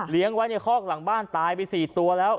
ไว้ในคอกหลังบ้านตายไป๔ตัวแล้ว